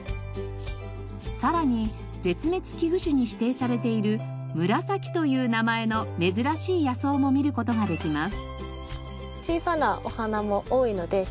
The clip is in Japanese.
さらに絶滅危惧種に指定されているムラサキという名前の珍しい野草も見る事ができます。